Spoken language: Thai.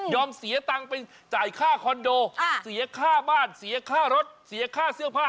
เสียตังค์ไปจ่ายค่าคอนโดเสียค่าบ้านเสียค่ารถเสียค่าเสื้อผ้า